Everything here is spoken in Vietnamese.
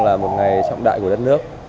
là một ngày trọng đại của đất nước